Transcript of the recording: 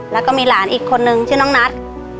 แล้วก็มีหลานอีกคนนึงชื่อน้องนัท